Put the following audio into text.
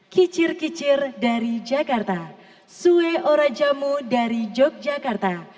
kicir kicir dari jakarta sue orajamu dari yogyakarta